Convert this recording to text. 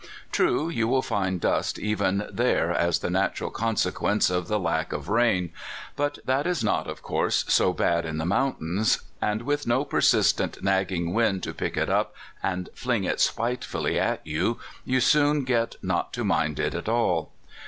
True, you will find dust even there as the n'atural consequence of the lack of rain ; but that is not, of course, so bad in the mountains; and with no persistent, nagging wind to pick it up and fling it spitefully at you, you soon get not to mind it at all.